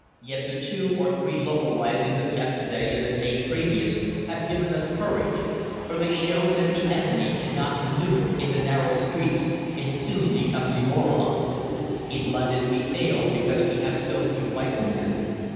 Yet the two or three local risings of yesterday and the day previous have given us courage, for they show that the enemy cannot manoeuvre in the narrow streets, and soon become demoralised. In London we fail because we have so few riflemen.